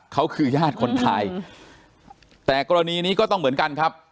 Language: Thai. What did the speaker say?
เขาคือญาติคนไทยแต่กรณีนี้ก็ต้องเหมือนกันครับ